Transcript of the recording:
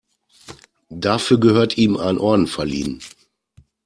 Dafür gehört ihm ein Orden verliehen.